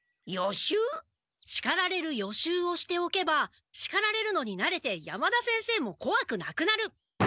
しかられる予習をしておけばしかれられるのになれて山田先生もこわくなくなる！